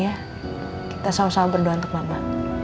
iya kita sama sama berdua untuk mama